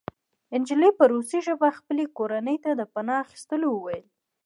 نجلۍ په روسي ژبه خپلې کورنۍ ته د پناه اخیستلو وویل